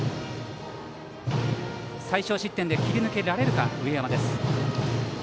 最少失点で切り抜けられるか上山。